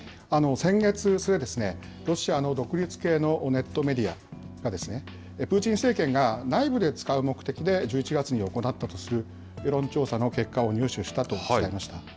先月末、ロシアの独立系のネットメディアが、プーチン政権が内部で使う目的で、１１月に行ったとする世論調査の結果を入手したと伝えました。